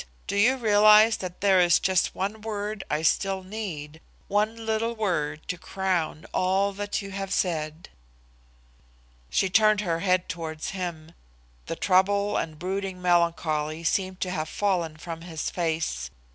Don't you realise that there is just one word I still need, one little word to crown all that you have said?" She turned her head towards him. The trouble and brooding melancholy seemed to have fallen from his face.